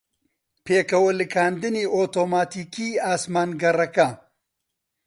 پێکەوەلکانی ئۆتۆماتیکیی ئاسمانگەڕەکە